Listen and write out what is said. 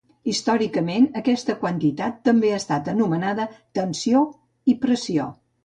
Històricament, aquesta quantitat també ha estat anomenada "tensió" i "pressió".